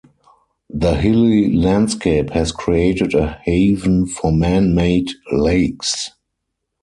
The hilly landscape has created a haven for man-made lakes.